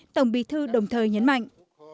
tổng bí thư đồng thời nhấn mạnh